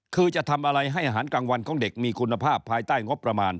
คือจะทำอะไรให้อาหารกลางวันของเด็กมีคุณภาพภายใต้งบประมาณ